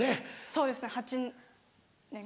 そうですね８年？